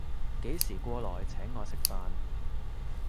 幾時過來請我食飯